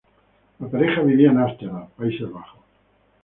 La pareja vivió en Amsterdam, Países Bajos.